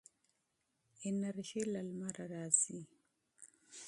انرژي له لمره راځي.